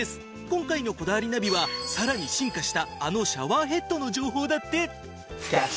今回の『こだわりナビ』はさらに進化したあのシャワーヘッドの情報だって！